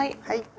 はい。